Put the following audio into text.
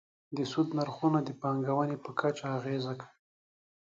د سود نرخونه د پانګونې په کچه اغېزه کوي.